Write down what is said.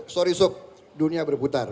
sorry sok dunia berputar